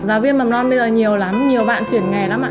giáo viên mầm non bây giờ nhiều lắm nhiều bạn chuyển nghề lắm ạ